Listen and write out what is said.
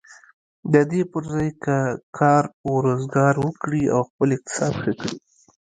د دې پر ځای که کار و روزګار وکړي او خپل اقتصاد ښه کړي.